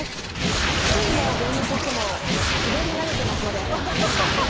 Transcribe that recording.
スキーも芸人としても滑り慣れてますので。